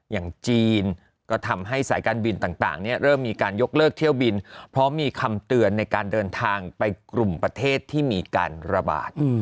อย่างจีนก็ทำให้สายการบินต่างเริ่มมีการยกเลิกเที่ยวบินเพราะมีคำเตือนในการเดินทางไปกลุ่มประเทศที่มีการระบาด